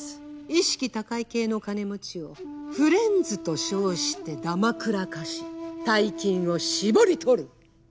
意識高い系の金持ちをフレンズと称してだまくらかし大金を搾り取る！